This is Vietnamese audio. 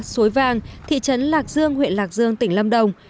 suối vàng thị trấn lạc dương huyện lạc dương tỉnh lâm đồng